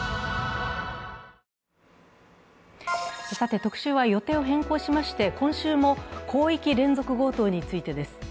特集は予定を変更しまして今週も広域連続強盗についてです。